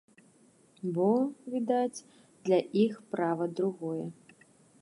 Бо, відаць, для іх права другое.